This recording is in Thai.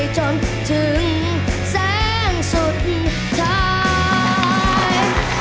จนถึงแสงสุดท้าย